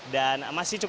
dan masih cukup